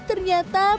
terdapat sebuah barang